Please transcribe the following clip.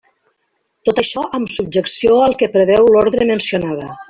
Tot això amb subjecció al que preveu l'ordre mencionada.